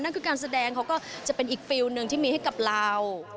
นั่นคือการแสดงเขาก็จะเป็นอีกฟิลลหนึ่งที่มีให้กับเรา